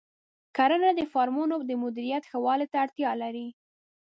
کرنه د فارمونو د مدیریت ښه والي ته اړتیا لري.